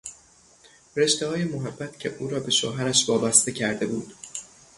رشتههای محبت که او را به شوهرش وابسته کرده بود